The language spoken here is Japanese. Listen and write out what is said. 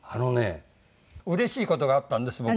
うれしい事があったんです僕。